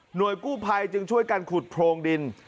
กู้ภัยจึงช่วยกันขุดโพรงดิน